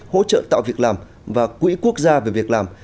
hỗ trợ tạo việc làm và quỹ quốc gia về việc làm